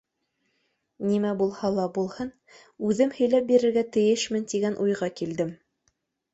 Нимә булһа ла булһын, үҙем һөйләп бирергә тейешмен, тигән уйға килдем.